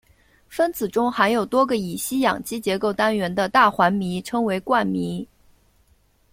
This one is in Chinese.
分子中含有多个乙烯氧基结构单元的大环醚称为冠醚。